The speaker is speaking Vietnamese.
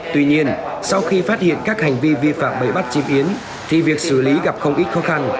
tuy nhiên sau khi phát hiện các hành vi vi phạm bị bắt chi yến thì việc xử lý gặp không ít khó khăn